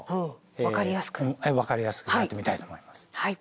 ええ分かりやすくやってみたいと思います。